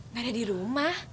gak ada di rumah